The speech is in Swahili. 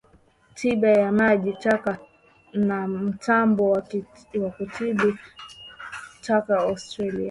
Tiba ya maji taka na mtambo wa kutibu taka Australia